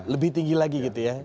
lebih tinggi lagi gitu ya